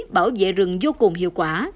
bảo vệ rừng vô cùng hiệu quả